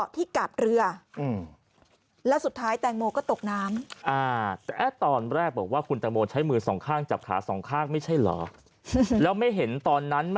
แต่ตอนแรกบอกว่าคุณแตงโมใช้มือสองข้างจับขาสองข้าง